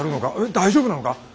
大丈夫なのか？